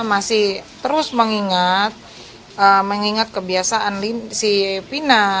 masih terus mengingat kebiasaan si pina